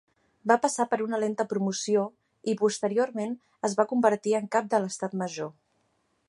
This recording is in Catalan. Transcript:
Va passar per una lenta promoció i, posteriorment, es va convertir en Cap de l"Estat Major.